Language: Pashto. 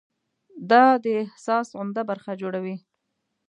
دا د احساس عمده برخه جوړوي.